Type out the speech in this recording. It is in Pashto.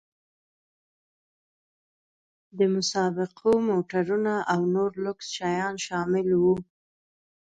د مسابقو موټرونه او نور لوکس شیان شامل وو.